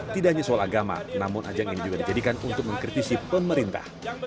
tidak hanya soal agama namun ajang ini juga dijadikan untuk mengkritisi pemerintah